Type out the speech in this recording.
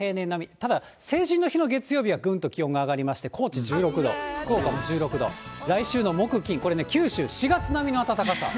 ただ、成人の日の月曜日はぐんと気温が上がりまして、高知１６度、福岡も１６度、来週の木、金、これね、九州、４月並みの暖かさ。